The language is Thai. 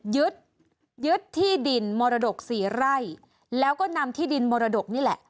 ยึดยึดที่ดินมรดกสี่ไร่แล้วก็นำที่ดินมรดกนี่แหละ